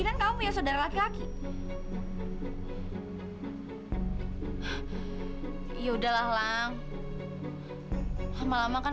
dia emang dari kecil udah temera mental